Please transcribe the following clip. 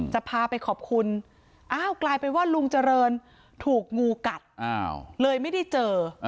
จะพาไปขอบคุณอ้าวกลายเป็นว่าลุงเจริญถูกงูกัดเลยไม่ได้เจอ